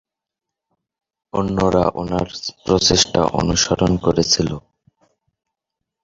অন্যরা ওনার প্রচেষ্টা অনুসরণ করেছিল।